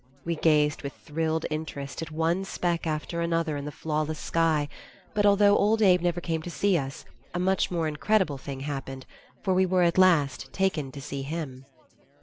We gazed with thrilled interest at one speck after another in the flawless sky, but although Old Abe never came to see us, a much more incredible thing happened, for we were at last taken to see him.